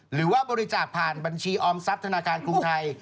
หรือว่าบริจาคผ่านบัญชีออมทรัพย์ธนาคารกรุงไทย